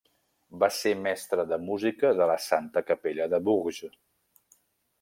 Va ser mestre de música de la Santa Capella de Bourges.